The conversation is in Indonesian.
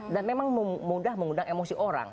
dan memang mudah mengundang emosi orang